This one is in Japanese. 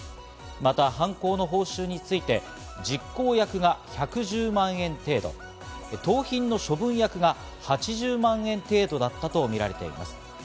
また犯行の報酬について、実行役が１１０万円程度、盗品の処分役が８０万円程度だったとみられています。